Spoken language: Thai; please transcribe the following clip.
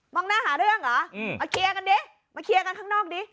งหน้าหาเรื่องเหรอมาเคลียร์กันดิมาเคลียร์กันข้างนอกดิ